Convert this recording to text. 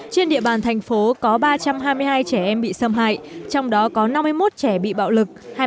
trên địa bàn thành phố có ba trăm hai mươi hai trẻ em bị xâm hại trong đó có năm mươi một trẻ bị bạo lực